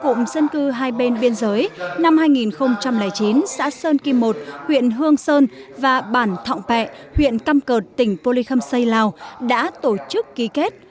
cụm dân cư hai bên biên giới năm hai nghìn chín xã sơn kim một huyện hương sơn và bản thọng pẹ huyện căm cợt tỉnh polikham say lào đã tổ chức ký kết